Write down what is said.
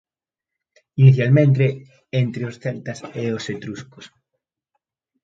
Inicialmente entre os celtas e os etruscos.